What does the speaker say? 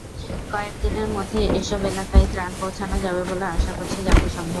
কয়েক দিনের মধ্যেই এসব এলাকায় ত্রাণ পৌঁছানো যাবে বলে আশা করছে জাতিসংঘ।